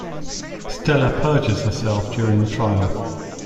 Stella perjures herself during the trial.